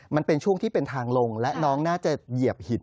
มันเป็นช่วงที่เป็นทางลงและน้องน่าจะเหยียบหิน